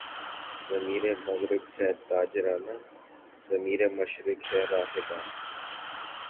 ضمیرِ مغرب ہے تاجرانہ، ضمیر مشرق ہے راہبانہ